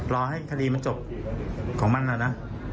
รอให้คดีมันจบของมันนะ